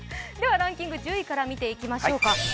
ランキング１０位から見ていきましょうか。